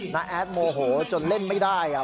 นะแอดโอ้โหจนเล่นไม่ได้อะ